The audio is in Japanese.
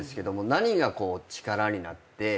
何が力になって。